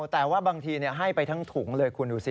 แต่ว่าบางทีให้ไปทั้งถุงเลยคุณดูสิ